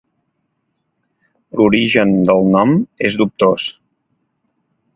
L'origen del nom és dubtós.